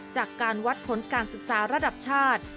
จากการวัดผลการศึกษาระดับชาติ